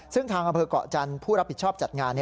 ซึ่งทางอำเภอกเกาะจันทร์ผู้รับผิดชอบจัดงาน